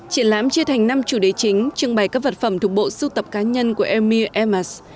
triển lãm chia thành năm chủ đề chính trưng bày các vật phẩm thuộc bộ sưu tập cá nhân của emmir ms